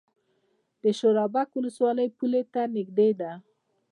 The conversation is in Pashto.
د شورابک ولسوالۍ پولې ته نږدې ده